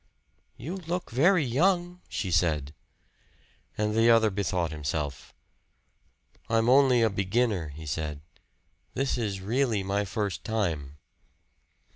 "You look very young," she said. And the other bethought himself. "I'm only a beginner," he said. "This is really my first time."